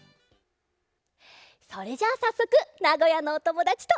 それじゃあさっそくなごやのおともだちとあっそぼう！